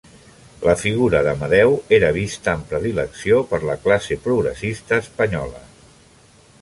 La figura d'Amadeu era vista amb predilecció per la classe progressista espanyola.